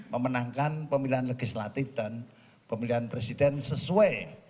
memenangkan pemilihan legislatif dan pemilihan presiden sesuai